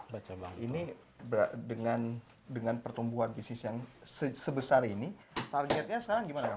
baca banget ini berat dengan dengan pertumbuhan bisnis yang sebesar ini targetnya sekarang gimana